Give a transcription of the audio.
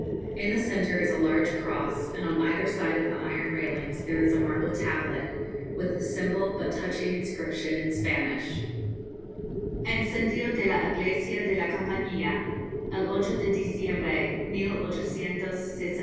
In the centre is a large cross, and on either side of the iron railings there is a marble tablet with the simple but touching inscription, in Spanish 'Incendio de la Iglesia de la Compañía, 8 de Diciembre, 1863.